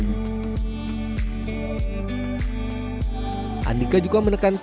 andika juga menekankan jantungnya yang terlalu berat